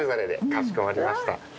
かしこまりました。